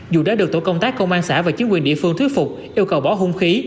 dù đã được tổ công tác công an xã và chính quyền địa phương thuyết phục yêu cầu bỏ hung khí